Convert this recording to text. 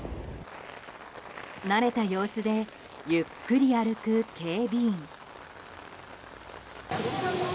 慣れた様子でゆっくり歩く警備員。